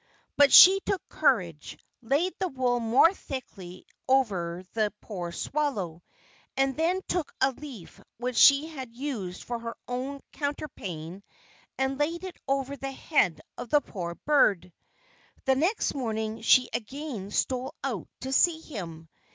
But she took courage, laid the wool more thickly over the poor swallow, and then took a leaf which she had used for her own counterpane, and laid it over the head of the poor bird. The next morning she again stole out to see him.